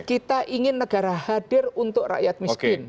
kita ingin negara hadir untuk rakyat miskin